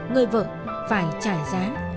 người vợ phải trải gián